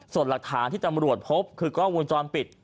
ส่วนหลักฐานที่ตำรวจพบคือกล้องวงจรปิด